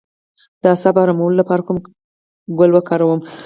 د اعصابو ارامولو لپاره کوم ګل وکاروم؟